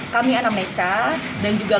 kami anak mesa dan juga